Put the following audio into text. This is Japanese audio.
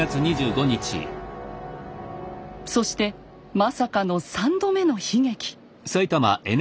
そしてまさかの３度目の悲劇。